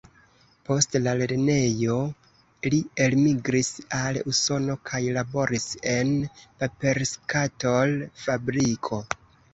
Post la lernejo li elmigris al Usono kaj laboris en paperskatol-fabriko.